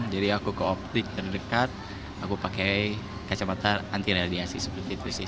jadi aku ke optik terdekat aku pakai kacamata anti radiasi seperti itu sih